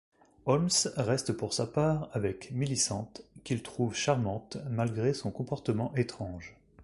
Holmes reste pour sa part avec Millicent qu'il trouve charmante malgré son comportement étrange.